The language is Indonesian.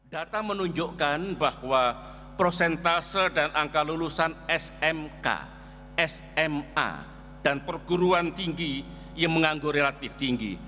data menunjukkan bahwa prosentase dan angka lulusan smk sma dan perguruan tinggi yang menganggur relatif tinggi